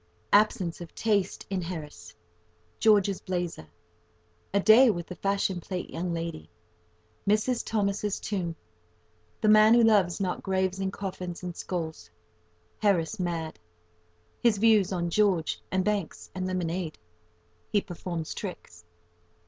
—Absence of taste in Harris.—George's blazer.—A day with the fashion plate young lady.—Mrs. Thomas's tomb.—The man who loves not graves and coffins and skulls.—Harris mad.—His views on George and Banks and lemonade.—He performs tricks.